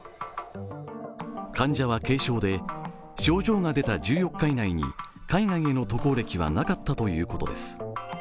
患者は軽症で症状が出た１４日以内に海外への渡航歴はなかったということです。